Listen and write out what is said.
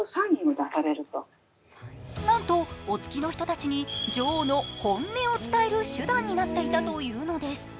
なんとお付きの人たちに女王の本音を伝える手段になっていたというのです。